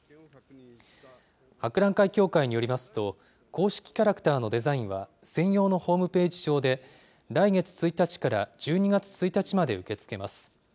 博覧会協会によりますと、公式キャラクターのデザインは、専用のホームページ上で、来月１日から１２月１日まで受け付けます。